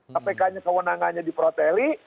kpk nya kewenangannya diproteli